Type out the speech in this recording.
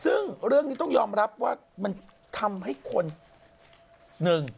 ซึ่งเรื่องนี้ต้องยอมรับว่ามันทำให้คนหนึ่ง